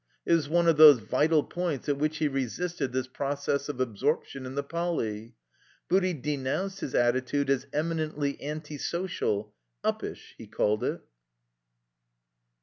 It was one of those vital points at which he resisted this process of absorption in the Poly. Booty denounced his at titude as eminently anti social — ^uppish, he called it.